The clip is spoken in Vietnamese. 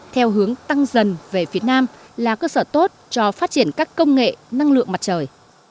theo hướng tăng dần về phía nam là cơ sở tốt cho phát triển các công nghệ năng lượng mặt trời